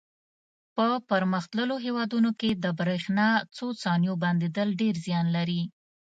په پرمختللو هېوادونو کې د برېښنا څو ثانیو بندېدل ډېر زیان لري.